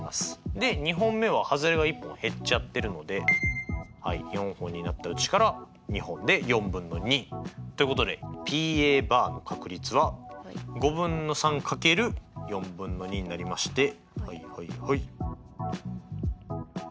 で２本目ははずれが１本減っちゃってるので４本になったうちから２本で４分の２。ということでＰの確率は５分の３×４分の２になりましてはいはいはいよし１０分の３になります。